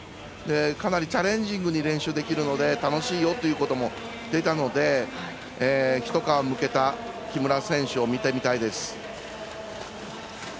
かなりチャレンジングに練習できるので楽しいよということも言っていたのでひと皮むけた木村選手を見てみたいです。